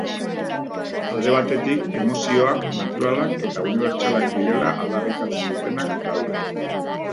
Alde batetik, emozioak naturalak eta unibertsalak direla aldarrikatzen dutenak daude.